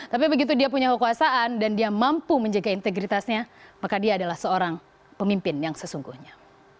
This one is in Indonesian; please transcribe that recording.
tapi begitu dia punya kekuasaan dan dia mampu menjaga integritasnya maka dia adalah seorang pemimpin yang sesungguhnya